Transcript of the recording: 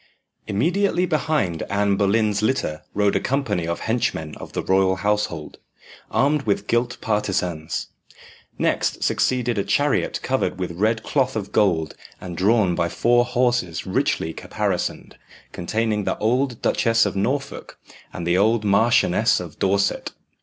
Immediately behind Anne Boleyn's litter rode a company of henchmen of the royal household, armed with gilt partisans. Next succeeded a chariot covered with red cloth of gold, and drawn by four horses richly caparisoned, containing the old Duchess of Norfolk and the old Marchioness of Dorset.